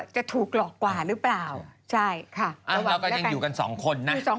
จะถูกหลอกกว่าหรือเปล่าใช่ค่ะแล้วเราก็ยังอยู่กันสองคนนะ